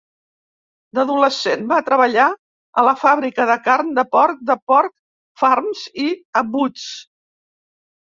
D'adolescent, va treballar a la fàbrica de carn de porc de Pork Farms i a Boots.